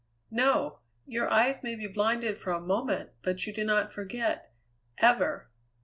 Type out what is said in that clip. "No. Your eyes may be blinded for a moment, but you do not forget ever!"